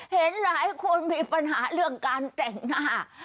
เห็นหลายคนมีปัญหาเรื่องการแต่งหน้า